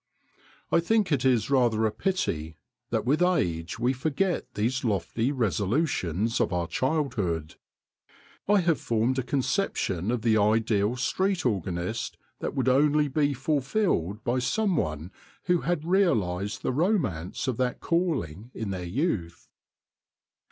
I think it is rather a pity that with age we forget these lofty resolutions of our childhood. I have formed a concep tion of the ideal street organist that would only be fulfilled by some one who had realised the romance of that calling in their youth.